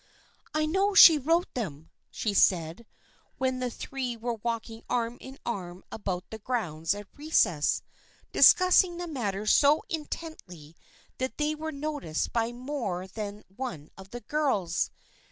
" I know she wrote them," said she, when the three were walking arm in arm about the grounds at recess, discussing the matter so intently that they were noticed by more than one of the girls.